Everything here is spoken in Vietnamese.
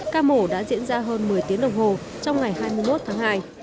ca mổ đã diễn ra hơn một mươi tiếng đồng hồ trong ngày hai mươi một tháng hai